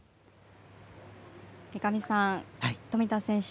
三上さん、富田選手